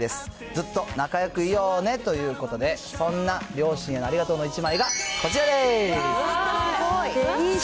ずっと仲よくいようねということで、そんな両親へのありがとうのいい写真。